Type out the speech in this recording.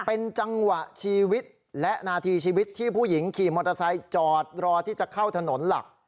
เป็นจังหวะชีวิตและนาทีชีวิตที่ผู้หญิงขี่มอเตอร์ไซค์จอดรอที่จะเข้าถนนหลัก